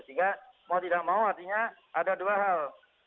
sehingga mau tidak mau artinya ada dua hal